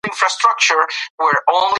خپل زکات او صدقات په وخت ورکړئ.